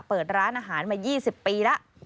เปิดร้านอาหารมา๒๐ปีแล้ว